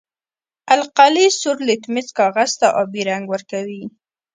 القلي سور لتمس کاغذ ته آبي رنګ ورکوي.